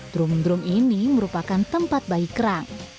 drum drum ini merupakan tempat bayi kerang